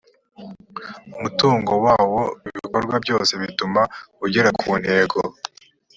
umutungo wawo ibikorwa byose bituma ugera ku ntego